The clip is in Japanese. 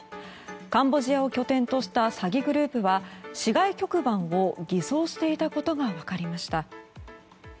カンボジアを拠点とした詐欺グループは市外局番を偽装していたことが分かりました。